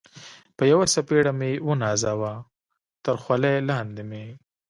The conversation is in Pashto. په یوه څپېړه مې و نازاوه، تر خولۍ لاندې مې.